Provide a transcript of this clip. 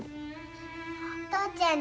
お父ちゃん